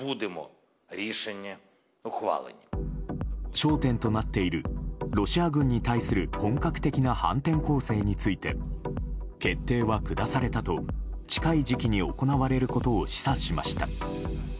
焦点となっているロシア軍に対する本格的な反転攻勢について決定は下されたと近い時期に行われることを示唆しました。